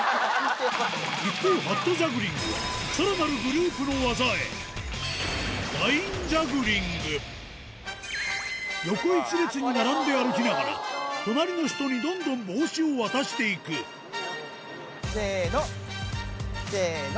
一方ハットジャグリングは横一列に並んで歩きながら隣の人にどんどん帽子を渡していくせのせの。